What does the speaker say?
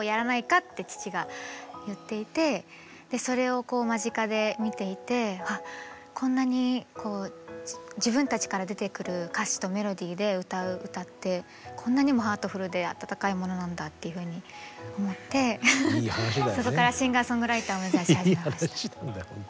それをこう間近で見ていてこんなに自分たちから出てくる歌詞とメロディーで歌う歌ってこんなにもハートフルであたたかいものなんだっていうふうに思ってそこからシンガーソングライターを目指し始めました。